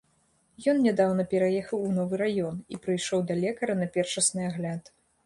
Ён нядаўна пераехаў у новы раён і прыйшоў да лекара на першасны агляд.